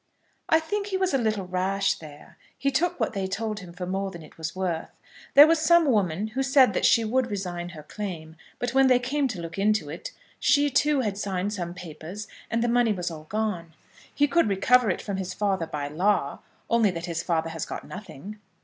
"I think he was a little rash there. He took what they told him for more than it was worth. There was some woman who said that she would resign her claim; but when they came to look into it, she too had signed some papers and the money was all gone. He could recover it from his father by law, only that his father has got nothing."